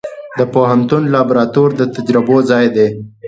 د پوهنتون لابراتوار د تجربو ځای دی.